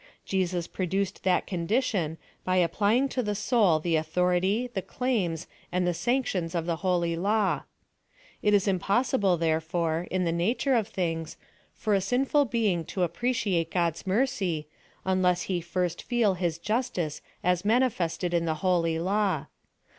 Jesus produced that condition by applying to the soul the authority, the claims, and the sanctions of thft holv law. It is impossible, therefore, in the PLAN OF SALVATION. I6S nature of tilings, for a sinful being to appreciate God's mercy, unless he first feel his justice as maiv ifested in the holy law.